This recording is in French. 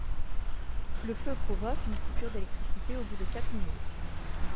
Le feu provoque une coupure d'électricité au bout de quatre minutes.